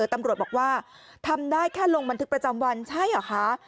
ตำรวจบอกว่าทำได้แค่ลงบันทึกประจำวันใช่เหรอคะ